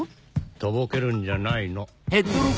とぼけるんじゃないの。